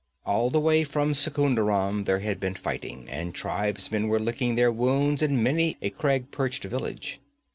All the way from Secunderam there had been fighting, and tribesmen were licking their wounds in many a crag perched village.